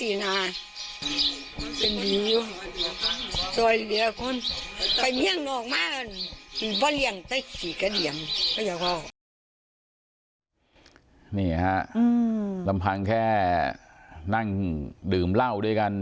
นี่ฮะลำพังแค่นั่งดื่มเหล้าด้วยกัน